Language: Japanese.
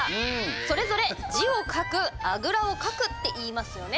それぞれ「字を書く」「あぐらをかく」って言いますよね。